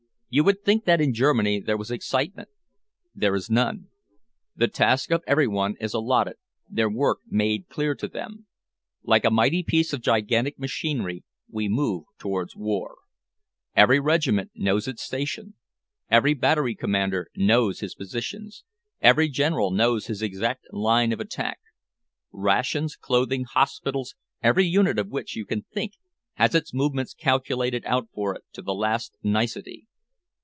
You would think that in Germany there was excitement. There is none. The task of every one is allotted, their work made clear to them. Like a mighty piece of gigantic machinery, we move towards war. Every regiment knows its station, every battery commander knows his positions, every general knows his exact line of attack. Rations, clothing, hospitals, every unit of which you can think, has its movements calculated out for it to the last nicety."